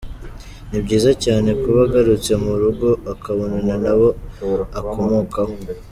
Ni byiza cyane kuba agarutse mu rugo akabonana n’abo akomokaho.